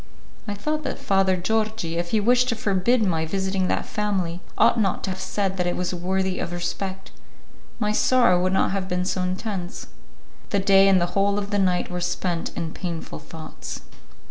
I thought that Father Georgi, if he wished to forbid my visiting that family, ought not to have said that it was worthy of respect; my sorrow would not have been so intense. The day and the whole of the night were spent in painful thoughts.